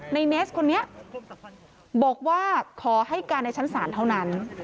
ในเนสคนนี้บอกว่าขอให้การในชั้นศาลเท่านั้น